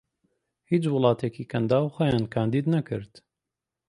هیچ وڵاتێکی کەنداو خۆیان کاندید نەکرد